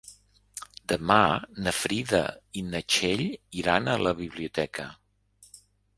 Demà na Frida i na Txell iran a la biblioteca.